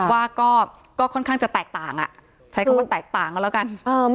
ว่าก็ค่อนข้างจะแตกต่างใช้คำว่าแตกต่างกันแล้วกัน